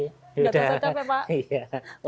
enggak terasa capek pak